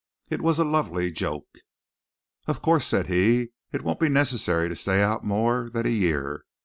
It was a lovely joke. "Of course," said he, "it won't be necessary to stay out more than a year.